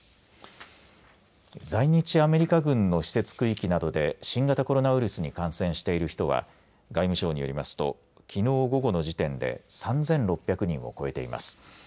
在日アメリカ軍の施設区域などで新型コロナウイルスに感染している人は外務省によりますときのう午後の時点で３６００人を超えています。